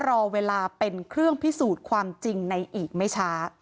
รอเวลาเป็นเครื่องพิสูจน์ความจริงในอีกไม่ช้า